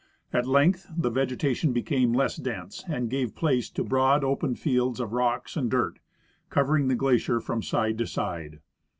At length the vegetation became less dense, and gave place to broad open fields of rocks and dirt, covering the glacier from side to side.